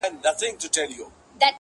غلامان دي خپل بادار ته ډېروه یې -